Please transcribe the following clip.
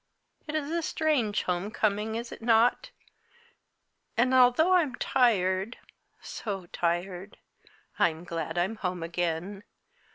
"It's a strange homecoming, is it not? And though I'm tired oh, so tired! I'm glad I'm home again.